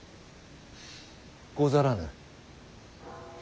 ござらぬ。